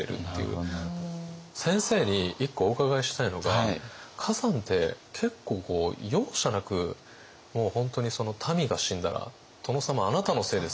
先生に１個お伺いしたいのが崋山って結構容赦なく本当に「民が死んだら殿様あなたのせいですよ」